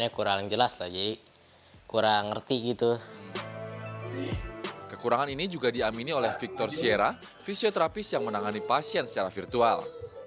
kekurangan ini juga diamini oleh victor siera fisioterapis yang menangani pasien secara virtual